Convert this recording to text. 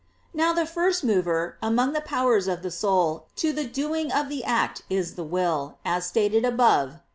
Now the first mover, among the powers of the soul, to the doing of an act is the will, as stated above (Q.